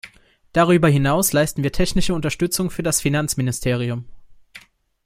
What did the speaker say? Darüber hinaus leisten wir technische Unterstützung für das Finanzministerium.